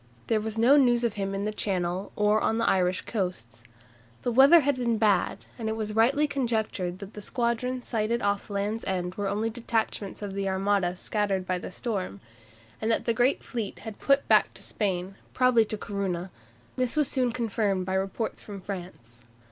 There was no news of him in the Channel or on the Irish coasts. The weather had been bad, and it was rightly conjectured that the squadrons sighted off Land's End were only detachments of the Armada scattered by the storm, and that the great fleet had put back to Spain, probably to Corunna. This was soon confirmed by reports from France.